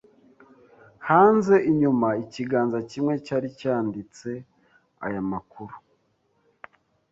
Hanze inyuma ikiganza kimwe cyari cyanditse aya makuru: